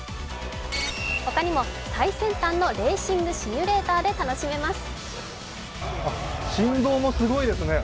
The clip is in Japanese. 他にも最先端のレーシングシミュレーターで楽しめます。